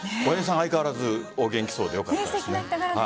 相変わらずお元気そうでよかったです。